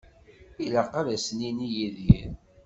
Ilaq ad as-nini i Yidir.